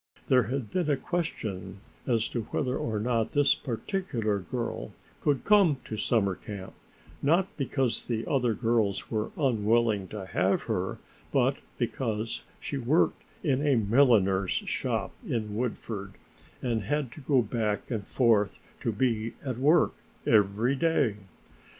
There had been a question as to whether or not this particular girl could come to summer camp, not because the other girls were unwilling to have her, but because she worked in a milliner's shop in Woodford and had to go back and forth to be at work every day.